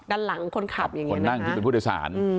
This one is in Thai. ด้านหลังคนขับคนนั่งที่เป็นผู้โดยสาร